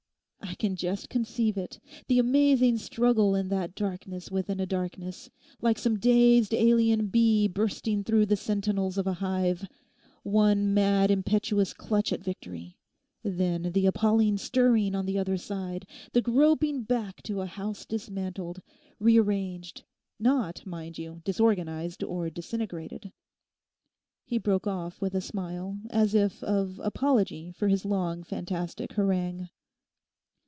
I can just conceive it—the amazing struggle in that darkness within a darkness; like some dazed alien bee bursting through the sentinels of a hive; one mad impetuous clutch at victory; then the appalling stirring on the other side; the groping back to a house dismantled, rearranged, not, mind you, disorganised or disintegrated....' He broke off with a smile, as if of apology for his long, fantastic harangue.